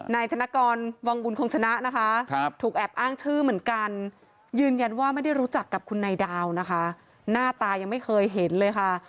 นายธนกรวังบุญคงชนะนะคะถูกแอบอ้างชื่อเหมือนกันยืนยันว่าไม่ได้รู้จักกับคุณนายดาวนะคะหน้าตายังไม่เคยเห็นเลยค่ะ